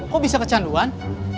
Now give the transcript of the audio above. kok bisa kecanduan